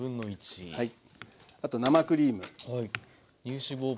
あと生クリーム。